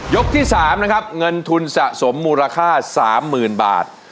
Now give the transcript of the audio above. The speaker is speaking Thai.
ที่๓นะครับเงินทุนสะสมมูลค่า๓๐๐๐บาท